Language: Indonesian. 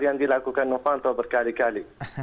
yang dilakukan novanto berkali kali